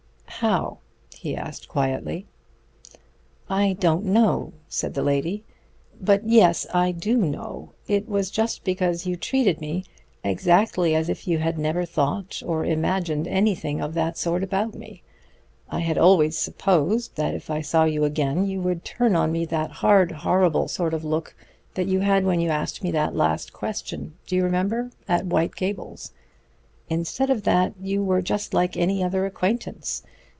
"How?" he asked quietly. "I don't know," said the lady. "But yes I do know. It was just because you treated me exactly as if you had never thought or imagined anything of that sort about me. I had always supposed that if I saw you again you would turn on me that hard, horrible sort of look you had when you asked me that last question do you remember? at White Gables. Instead of that you were just like any other acquaintance.